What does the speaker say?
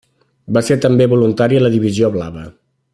Va ser també voluntari en la Divisió Blava.